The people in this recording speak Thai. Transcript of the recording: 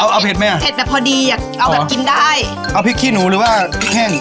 เอาเผ็ดไหมอ่ะเผ็ดแบบพอดีอ่ะเอาแบบกินได้เอาพริกขี้หนูหรือว่าพริกแห้ง